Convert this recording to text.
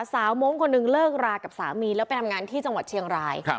มงค์คนหนึ่งเลิกรากับสามีแล้วไปทำงานที่จังหวัดเชียงราย